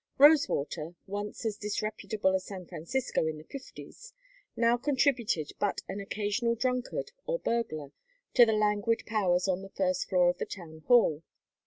Rosewater, once as disreputable as San Francisco in the Fifties, now contributed but an occasional drunkard or burglar to the languid powers on the first floor of the Town Hall.